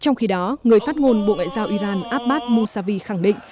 trong khi đó người phát ngôn bộ ngoại giao iran abbas mousavi khẳng định